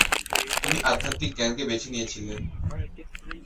তুমি আধ্যাত্মিক জ্ঞানকে বেছে নিয়েছিলে।